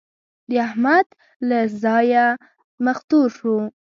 د احمد له دې ځايه مخ تور شو.